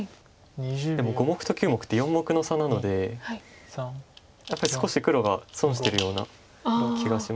でも５目と９目って４目の差なのでやっぱり少し黒が損してるような気がします。